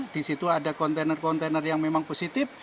di situ ada kontainer kontainer yang memang positif